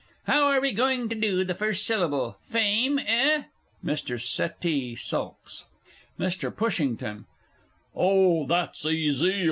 _) How are we going to do the first syllable "Fame," eh? [MR. SETTEE sulks. MR. PUSHINGTON. Oh, that's easy.